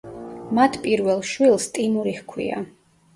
მათ პირველ შვილს ტიმური ჰქვია.